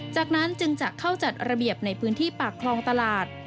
จากนั้นจึงจะเข้าจัดระเบียบในพื้นที่ปากคลองตลาด